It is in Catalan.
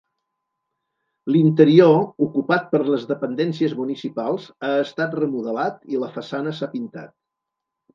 L'interior, ocupat per les dependències municipals ha estat remodelat i la façana s'ha pintat.